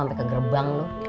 sampai ke gerbang lo